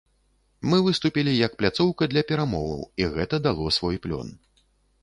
Мы выступілі як пляцоўка для перамоваў, і гэта дало свой плён.